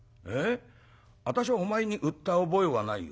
『私はお前に売った覚えはないよ。